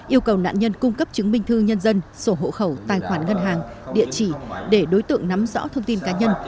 yêu cầu nạn nhân cung cấp chứng minh thư nhân dân sổ hộ khẩu tài khoản ngân hàng địa chỉ để đối tượng nắm rõ thông tin cá nhân